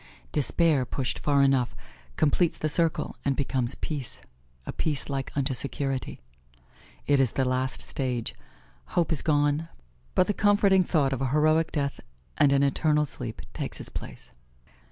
Despair pushed far enough completes the circle and becomes peace a peace like unto security. It is the last stage: hope is gone, but the comforting thought of heroic death and an eternal sleep takes its place.